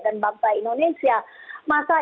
dan bangsa indonesia masa